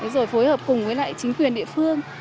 rồi phối hợp cùng với lại chính quyền địa phương